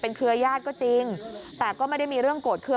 เครือญาติก็จริงแต่ก็ไม่ได้มีเรื่องโกรธเครื่อง